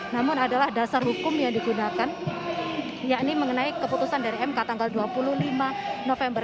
namun adalah dasar hukum yang digunakan yakni mengenai keputusan dari mk tanggal dua puluh lima november